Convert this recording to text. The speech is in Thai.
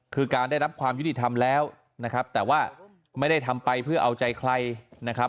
คือการได้รับความยุติธรรมแล้วนะครับแต่ว่าไม่ได้ทำไปเพื่อเอาใจใครนะครับ